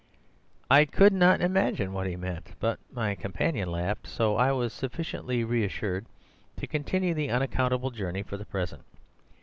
"I could not imagine what he meant, but my companion laughed, so I was sufficiently reassured to continue the unaccountable journey for the present.